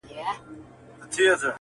که ګوربت سي زموږ پاچا موږ یو بېغمه.!